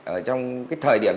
ở trong cái thời điểm